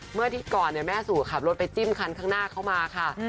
เมื่อที่ก่อนแม่สู่ขับรถไปจิ้มคันข้างหน้าเข้ามาค่ะ